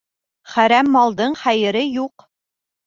Хәрәм малдың хәйере юҡ.